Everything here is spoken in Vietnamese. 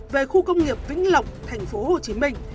về khu công nghiệp vĩnh lộc thành phố hồ chí minh